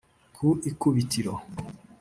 Ku ikubitiro